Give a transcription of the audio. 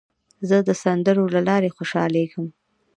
زه د سندرو له لارې خوشحالېږم.